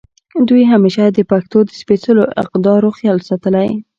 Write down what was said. دوي همېشه د پښتو د سپېځلو اقدارو خيال ساتلے